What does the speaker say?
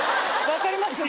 分かりますよ